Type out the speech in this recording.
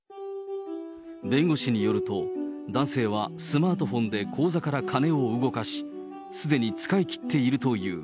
弁護士によると、男性はスマートフォンで口座から金を動かし、すでに使い切っているという。